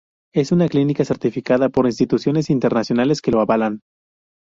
Es una clínica certificada por Instituciones Internacionales que lo avalan.